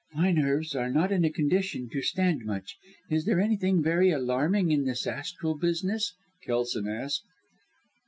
"My nerves are not in a condition to stand much. Is there anything very alarming in this astral business?" Kelson asked.